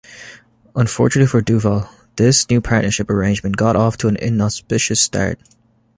Unfortunately for Duval, this new partnership arrangement got off to an inauspicious start.